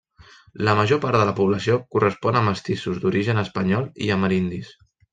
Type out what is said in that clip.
La major part de la població correspon a mestissos d'origen espanyol i amerindis.